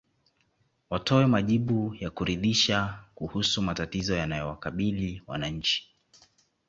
Watoe majibu ya kuridhisha kuhusu matatizo yanayowakabili wananchi